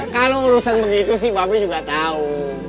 kalau urusan begitu sih babi juga tau